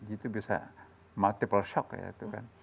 itu bisa multiple shock ya itu kan